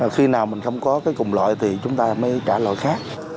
khi nào mình không có cái cùng loại thì chúng ta mới trả loại khác